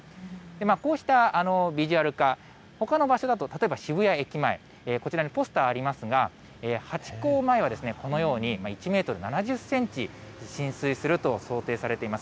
こうしたビジュアル化、ほかの場所だと、例えば渋谷駅前、こちらにポスターありますが、ハチ公前はこのように１メートル７０センチ浸水すると想定されています。